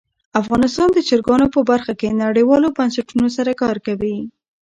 افغانستان د چرګانو په برخه کې نړیوالو بنسټونو سره کار کوي.